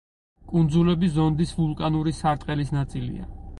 კუნძულები ზონდის ვულკანური სარტყელის ნაწილია.